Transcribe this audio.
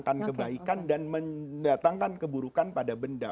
akan kebaikan dan mendatangkan keburukan pada benda